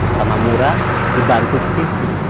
sama mura dibantu pipi